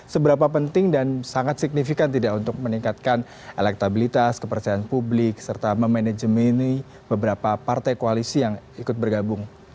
seberapa penting dan sangat signifikan tidak untuk meningkatkan elektabilitas kepercayaan publik serta memanajemeni beberapa partai koalisi yang ikut bergabung